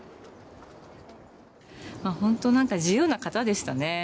本当なんか自由な方でしたね。